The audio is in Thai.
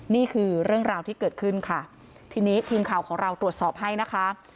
นี่คือเรื่องราวที่เกิดขึ้นค่ะทีนี้ทีมข่าวของเราตรวจสอบให้นะคะ